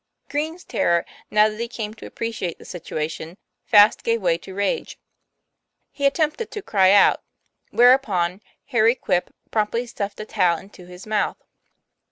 Green's terror, now that he came to appreciate the situation, fast gave way to rage. He attempted to cry out, whereupon Harry Quip promptly stuffed a towel into his mouth.